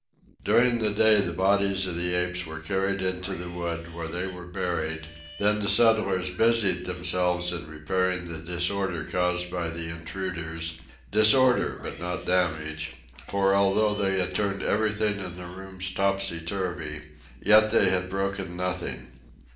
During the day the bodies of the apes were carried into the wood, where they were buried; then the settlers busied themselves in repairing the disorder caused by the intruders, disorder but not damage, for although they had turned everything in the rooms topsy turvy, yet they had broken nothing.